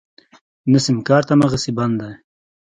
نه سيمکارټ امغسې بند دی.